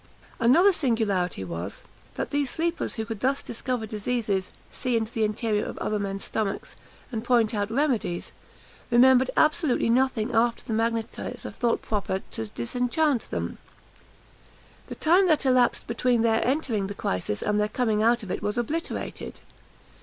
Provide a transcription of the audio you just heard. Another singularity was, that these sleepers who could thus discover diseases, see into the interior of other men's stomachs, and point out remedies, remembered absolutely nothing after the magnetiser thought proper to disenchant them. The time that elapsed between their entering the crisis and their coming out of it was obliterated.